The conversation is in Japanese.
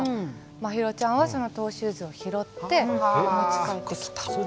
マヒロちゃんはそのトーシューズを拾って持ち帰ってきた。